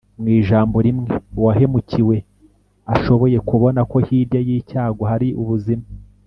mu ijambo rimwe uwahemukiwe ashoboye kubona ko hirya y’icyago hari ubuzima,